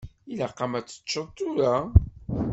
Ilaq-am ad teččeḍ tura.